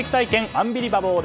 アンビリバボー」。